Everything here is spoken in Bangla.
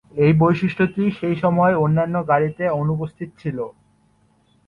এই বৈশিষ্ট্যটি সেসময় অন্যান্য গাড়িতে অনুপস্থিত ছিল।